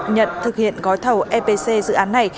nhận thực hiện gói thầu epc dự án này